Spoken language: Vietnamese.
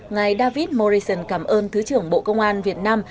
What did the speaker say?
ngài david morrison cảm ơn thứ trưởng bộ công an việt nam